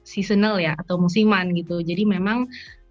seasonal atau musiman jadi memang